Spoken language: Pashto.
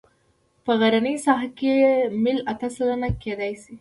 په غرنۍ ساحه کې میل اته سلنه کیدی شي